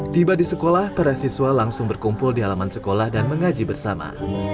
tiba di sekolah para siswa langsung berkumpul di halaman sekolah dan mengaji bersama